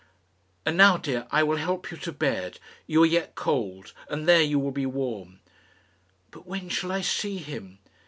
"And now, dear, I will help you to bed. You are yet cold, and there you will be warm." "But when shall I see him?"